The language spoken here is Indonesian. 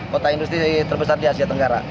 kota industri terbesar di asia tenggara